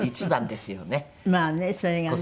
まあねそれがね。